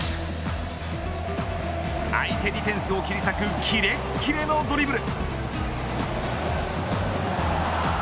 相手ディフェンスを切り裂くきれっきれのドリブル。